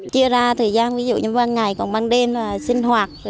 chia ra thời gian ví dụ như ban ngày còn ban đêm là sinh hoạt